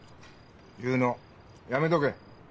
言うのやめとけ。